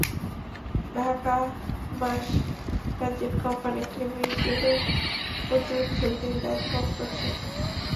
Dhaka mass transit company লিমিডেটের পরিচালক হিসেবেও তিনি দায়িত্ব পালন করছেন।